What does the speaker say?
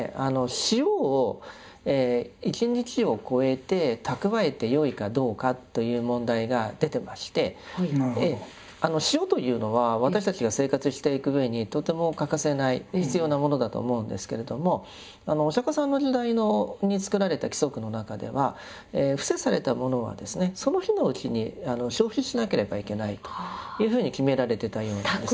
塩を一日を超えて蓄えてよいかどうかという問題が出てまして塩というのは私たちが生活していくうえにとても欠かせない必要なものだと思うんですけれどもお釈迦様の時代に作られた規則の中では布施されたものはですねその日のうちに消費しなければいけないというふうに決められてたようなんです。